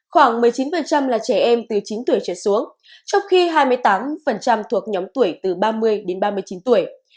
khoảng một mươi chín là trẻ em từ chín tuổi trở xuống trong khi hai mươi tám thuộc nhóm tuổi từ ba mươi đến ba mươi chín tuổi